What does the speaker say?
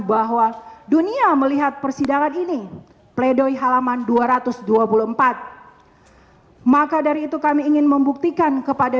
bahwa dunia melihat persidangan ini pledoi halaman dua ratus dua puluh empat maka dari itu kami ingin membuktikan kepada